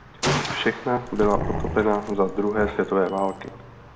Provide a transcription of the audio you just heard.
Všechna byla potopena za druhé světové války.